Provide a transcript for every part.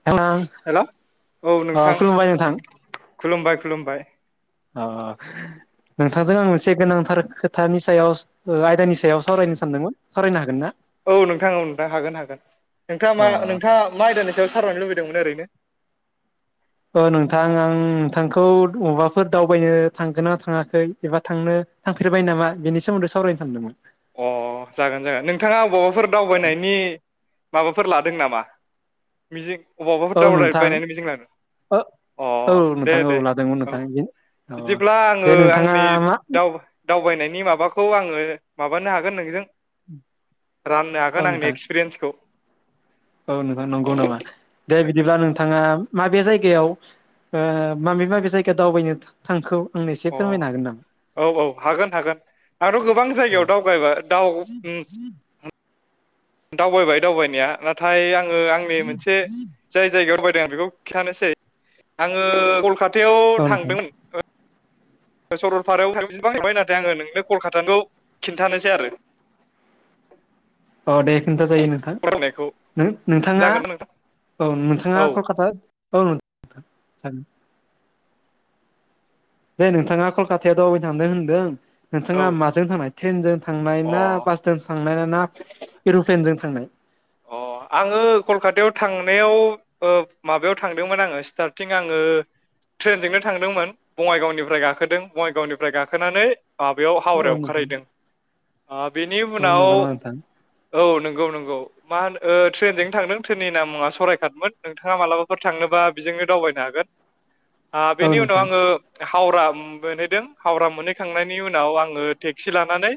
[unintelligible] हेल' औ नोंथां, खुलुमबाय नोंथां खुलुमबाय खुलुमबाय। अ नोंथांजों आं मोनसे गोनांथार खोथानि सायाव ओ आयदानि सायाव सावरायनो सानदोंमोन। सावरायनो हागोन ना? औ नोंथां औ नोंथां हागोन हागोन। नोंथाङा मा अ नोंथाङा मा आयदानि सायाव सारायनो लुबैदोंमोन ओरैनो? औ नोंथां आं नोंथांखौ अबबाफोर दावबायनो थांगोन ना थाङाखै एबा थांनो थांफेरबाय नामा? बेनि सोमोन्दै सावरायनो सानदोंमोन। अ जागोन जागोन। नोंथाङा अबावबाफोर दावबायनायनि माबाफोर लादों नामा मिजिं अबावबाफोर औ दावराय नोंथां बायनायनि मिजिं लादों? ओ अ औ दे नोंथां औ दे लादोंमोन औ नोंथां [unintelligible] बिदिब्ला आङो दे नोंथाङा आंनि मा दाव दावबायनायनि माबाखौ आङो माबानो हागोन नोंजों। राननो औ हागोन आंनि नोंथां एक्सपिरियेन्सखौ। औ नोंथां नंगौ नामा दे अ बिदिब्ला नोंथाङा माबे जायगायाव ओ माबे माबे जायगायाव दावबायनो था थांखौ आंनि अ औ औ हागोन हागोन आंथ' गोबां नामा जायगायाव दावगायबाय दाउ उम दावबाय दावबायनाया। नाथाय आङो आंनि मोनसे जाय जायगायावनो बायदों आं बेखौ खिन्थानोसै आङो कलकातायाव औ नोंथां थांदों ओ सरलपारायाव [unintelligible] आङो नोंनो कलकाताखौ खिन्थानोसै आरो। औ दे खोन्था जायो नोंथां फरायनायखौ नों नोंथाङा जागोन ना नोंथां औ नोंथाङा औ कलकाता औ [unintelligible] दे नोंथाङा कलकातायाव दावबाय थांदों होनदों। औ नोंथाङा माजों थांनाय ट्रेनजों थांनाय अ ना बास ट्रेइनजों थांनाय ना इर'प्लेनजों थांनाय? अ आङो कलकातायाव थांनायाव ओ माबायाव थांदोंमोन आङो स्टारटिं आङो ट्रेनजोंनो थांदोंमोन बङाइगावनिफ्राय गाखोदों बङाइगावनिफ्राय गाखोनानै आ बेयाव औ हावरायाव नोंथां ओंखारहैदों। आ बेनि औ उनाव नंगौ नामा नोंथां औ नंगौ नंगौ। मा होनो ओ ट्रेनजों थांदों ट्रेननि नामा सररायकाटमोन नोंथाङा मालाबाफोर थांनोबा बेजोंनो दावबायनो हागोन। आ औ बेनि उनाव नोंथां आङो हावरा मोनहैदों हावरा मोनहैखांनायनि उनाव आङो टेक्सि लानानै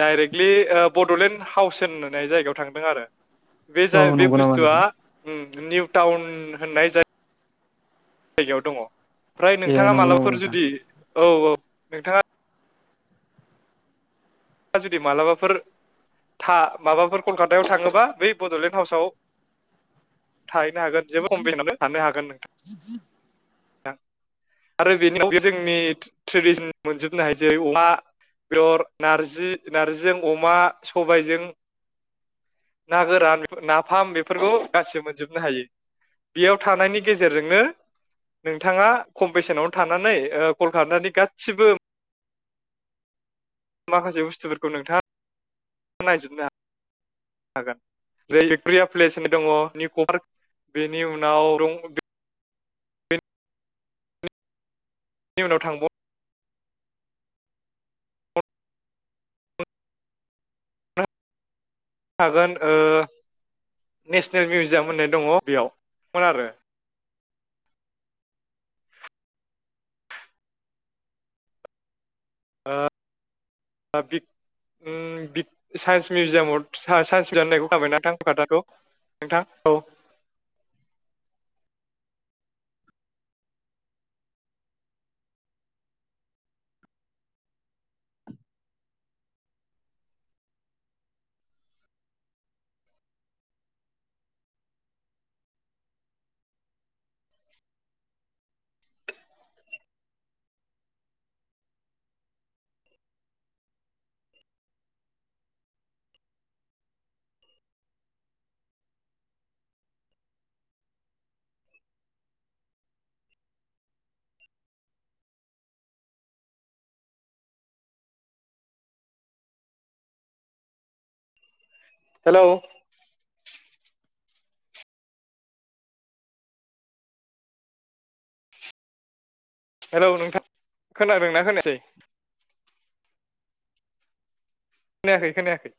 डाइरेक्टलि ओ बड'लेण्ड हाउस होननाय जायगायाव थांदों आरो। बे औ जा बे नंगौ नामा बुस्थुआ नोंथां उम निउ टाउन होननाय जायो जायगायाव दङ'। फ्राय ए नोंथाङा नंगौ नामा मालाबफोर नोंथां जुदि औ औ नोंथाङा ङा जुदि मालाबाफोर माबाफोर कलकातायाव थाङोब्ला बै बड'लेन्ड बासाव थाहैनो हागोन [unintelligible] आरो बेनि बैजोंनि ट्रेडिसन मोनजोबनो हायो। जेरै अमा बेर नारजि नारजिजों अमा सबायजों ना गोरान नाफाम बेफोरखौ गासिबो मोनजोबनो हायो। बेयाव थानायनि गेजेरजोंनो नोंथाङा खम बेसेनावनो थानानै ओ कलकातानि गासिबो, माखासे बुस्थुफोरखौ नोंथाङा नायजोबनो हागोन हागोन। बेलिब्रिया प्लेसन दङ, निर्क बेनि उनाव बे उनाव थांब [unintelligible] हागोन, ओ नेसनेल मिउजियाम होननाय दङ। बेयावमोन आरो ओ, बि ओ बि साइन्स मिउजियामाव साइ-साइन्स बिदान होननायखौ थाबायना थांफ दाथ' नोंथां, औ हेलौ हेलौ नोंथां खोनादोंना-खोनायसै खोनायाखै-खोनायाखै